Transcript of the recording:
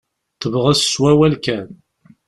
Tebɣes s wawal kan.